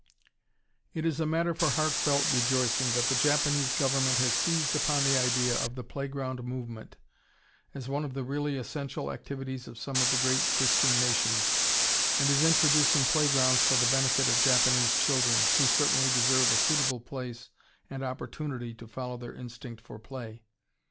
] It is a matter for heartfelt rejoicing that the Japanese Government has seized upon the idea of the Playground Movement as one of the really essential activities of some of the great Christian nations, and is introducing playgrounds for the benefit of Japanese children, who certainly deserve a suitable place and opportunity to follow their instinct for play.